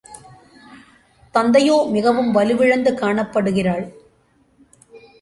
தத்தையோ மிகவும் வலுவிழந்து காணப்படுகிறாள்.